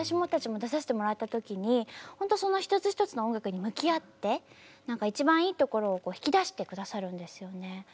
私たちも出させてもらった時にほんとその一つ一つの音楽に向き合って何か一番いいところを引き出して下さるんですよね。